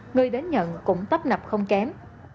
người đến nhận cũng tấp nập không kém